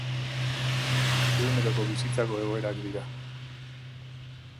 Eguneroko bizitzako egoerak dira.